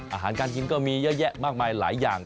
อาหารการกินก็มีเยอะแยะมากมายหลายอย่าง